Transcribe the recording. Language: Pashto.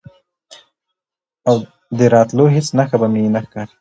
او د راتلو هیڅ نښه به مې نه ښکاري،